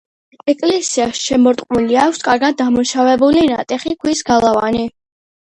ეკლესიას შემორტყმული აქვს კარგად დამუშავებული ნატეხი ქვის გალავანი.